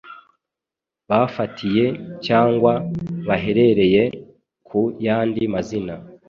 bafatiye cyangwa bahereye ku yandi mazina.